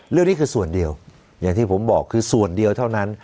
เรื่องนี้คือส่วนเดียวอย่างที่ผมบอกคือส่วนเดียวเท่านั้น